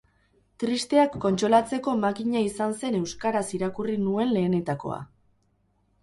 Tristeak kontsolatzeko makina izan zen euskaraz irakurri nuen lehenetakoa.